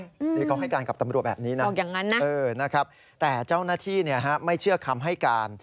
นี่เขาให้การกับตำรวจแบบนี้นะแต่เจ้าหน้าที่ไม่เชื่อคำให้การ